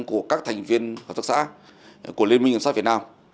của các thành viên hợp tác xã của liên minh ngân sát việt nam